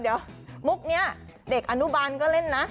เดี๋ยวมุกนี้เด็กอนุบาลก็เล่นนะ